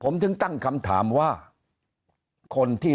เพราะสุดท้ายก็นำไปสู่การยุบสภา